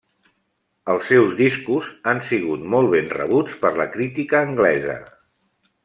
Els seus discos han sigut molt ben rebuts per la crítica anglesa.